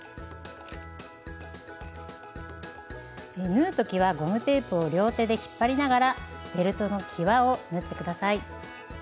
縫うときはゴムテープを両手で引っ張りながらベルトのきわを縫って下さい。